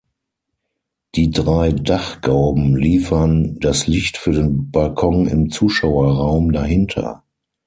Die drei Dachgauben liefern das Licht für den Balkon im Zuschauerraum dahinter.